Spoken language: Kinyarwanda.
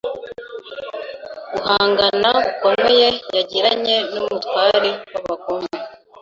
guhangana gukomeye yagiranye n’umutware w’abagome.